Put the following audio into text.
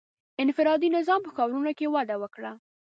• انفرادي نظام په ښارونو کې وده وکړه.